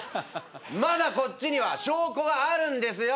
まだこっちには証拠はあるんですよ。